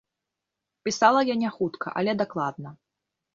Пісала я няхутка, але дакладна.